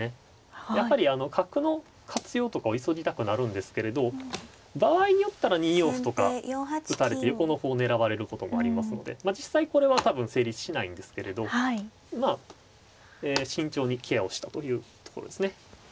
やっぱり角の活用とかを急ぎたくなるんですけれど場合によったら２四歩とか打たれて横の歩を狙われることもありますので実際これは多分成立しないんですけれどまあ慎重にケアをしたというところですね。